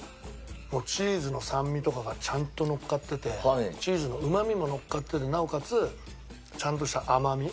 チーズの酸味とかがちゃんとのっかっててチーズのうまみものっかっててなおかつちゃんとした甘み。